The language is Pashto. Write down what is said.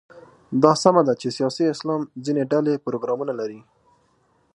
دا سمه ده چې سیاسي اسلام ځینې ډلې پروګرامونه لري.